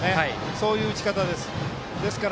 そういう打ち方です。